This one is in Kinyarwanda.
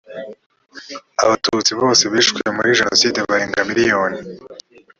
abatutsi bose binshwe muri jenoside barenga miliyoni